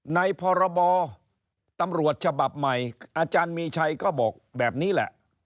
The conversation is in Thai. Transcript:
พรบตำรวจฉบับใหม่อาจารย์มีชัยก็บอกแบบนี้แหละ